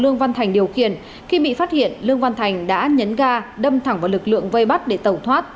lương văn thành điều khiển khi bị phát hiện lương văn thành đã nhấn ga đâm thẳng vào lực lượng vây bắt để tẩu thoát